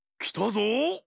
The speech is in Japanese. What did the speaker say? きたぞ。